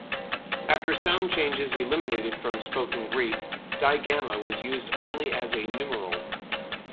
After sound changes eliminated from spoken Greek, "digamma" was used only as a numeral.